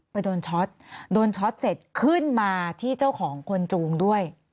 โดนช็อตโดนช็อตเสร็จขึ้นมาที่เจ้าของคนจูงด้วย